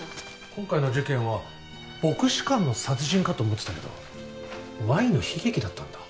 今回の事件は『牧師館の殺人』かと思ってたけど『Ｙの悲劇』だったんだ。